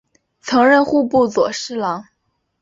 曾任户部左侍郎。